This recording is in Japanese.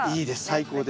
最高です。